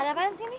ada apaan sih nih